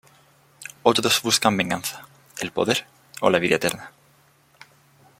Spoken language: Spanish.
Otros buscan Venganza, el Poder o la vida eterna.